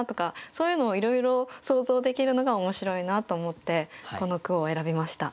そういうのをいろいろ想像できるのが面白いなと思ってこの句を選びました。